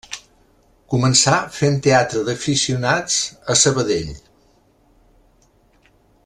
Començà fent teatre d'aficionats a Sabadell.